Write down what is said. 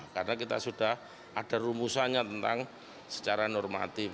karena kita sudah ada rumusannya tentang secara normatif